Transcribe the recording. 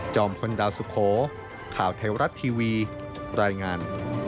พลดาวสุโขข่าวไทยรัฐทีวีรายงาน